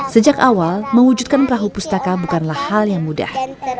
sejak awal mewujudkan perahu pustaka bukanlah hal yang mudah